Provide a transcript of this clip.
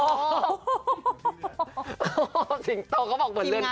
โอ้โอ้หยุดสิ่งโตเขาบอกเหมือนเรื่องขวัญ